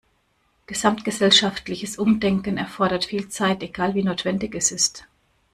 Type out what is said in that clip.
Gesamtgesellschaftliches Umdenken erfordert viel Zeit, egal wie notwendig es ist.